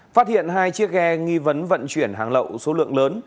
phát hiện hai chiếc ghe nghi vấn vận chuyển hàng lậu số lượng lớn